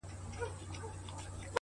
مهرباني د زړه ژبه ده؛